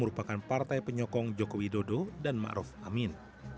yang merupakan partai penyokong jokowi dodo dan ma'ruf amin